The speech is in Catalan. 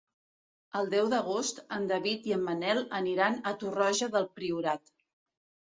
El deu d'agost en David i en Manel aniran a Torroja del Priorat.